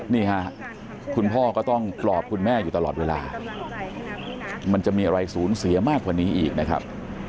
นี่ค่ะคุณพ่อก็ต้องปลอบคุณแม่อยู่ตลอดเวลามันจะมีอะไรสูญเสียมากกว่านี้อีกนะครับ